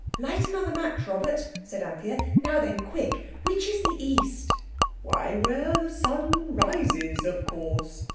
"Light another match, Robert," said Anthea. "Now, then quick! which is the East?" "Why, where the sun rises, of course!"